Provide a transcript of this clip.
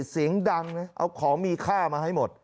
เสียงดังนะเอาของมีค่ามาให้หมด